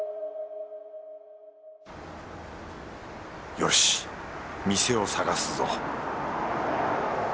よし店を探すぞ